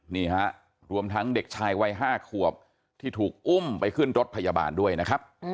นี่ฮะรวมทั้งเด็กชายวัย๕ขวบที่ถูกอุ้มไปขึ้นรถพยาบาลด้วยนะครับ